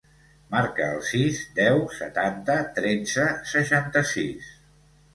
Marca el sis, deu, setanta, tretze, seixanta-sis.